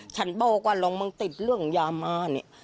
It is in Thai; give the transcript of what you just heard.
ฉันบอกว่าลงมึงติดเรื่องยามาเนี่ย